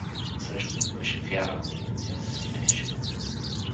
Насреща му беше Вяра, но тя се смееше!